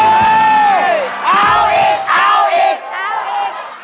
เอาอีกเอาอีก